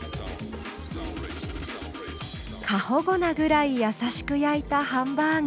過保護なぐらいやさしく焼いたハンバーグ。